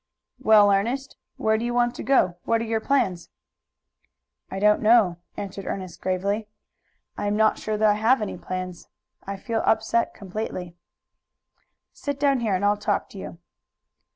"Well, Ernest, where do you want to go? What are your plans?" "I don't know," answered Ernest gravely. "I am not sure that I have any plans. I feel upset completely." "Sit down here and I'll talk to you."